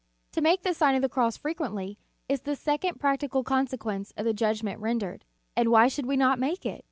To make the Sign of the Cross frequently, is the second practical consequence of the judgment rendered. And why should we not make it?